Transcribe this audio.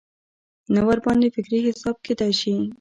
نه ورباندې فکري حساب کېدای شي.